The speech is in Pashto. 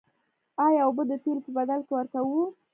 آیا اوبه د تیلو په بدل کې ورکوو؟